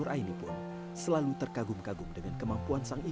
wanita kelahiran enam agustus seribu sembilan ratus enam puluh sembilan ini